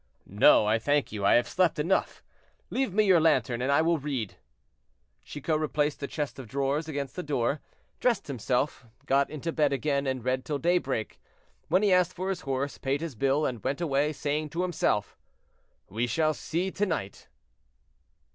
"No, I thank you, I have slept enough; leave me your lantern and I will read." Chicot replaced the chest of drawers against the door, dressed himself, got into bed again, and read till daybreak, when he asked for his horse, paid his bill, and went away, saying to himself— "We shall see, to night."